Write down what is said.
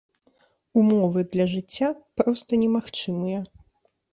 Умовы для жыцця проста немагчымыя.